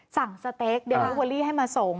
สั่งแซเต๊กเดิมไวเวอรีให้มาส่ง